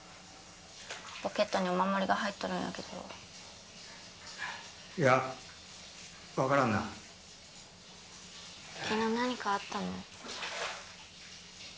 ポケットにお守りが入っとるんやけどいや分からんな昨日何かあったの？